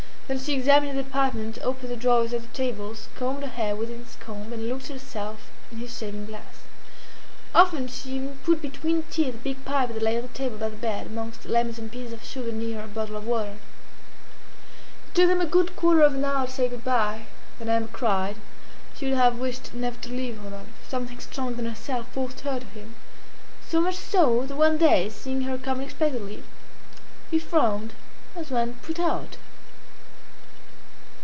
Then she examined the apartment, opened the drawers of the tables, combed her hair with his comb, and looked at herself in his shaving glass. Often she even put between her teeth the big pipe that lay on the table by the bed, amongst lemons and pieces of sugar near a bottle of water. It took them a good quarter of an hour to say goodbye. Then Emma cried. She would have wished never to leave Rodolphe. Something stronger than herself forced her to him; so much so, that one day, seeing her come unexpectedly, he frowned as one put out.